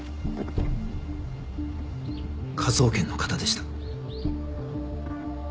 科捜研の方でした。